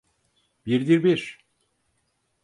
Birdir bir!